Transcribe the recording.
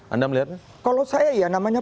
anda melihat kalau saya ya namanya